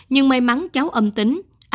nhưng may mắn cháu trai tám tuổi không có người lạ